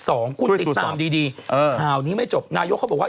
คุณติดตามดีดีข่าวนี้ไม่จบนายกเขาบอกว่า